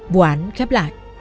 bộ án khép lại